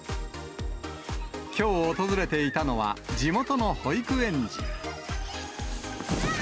きょう訪れていたのは、地元の保育園児。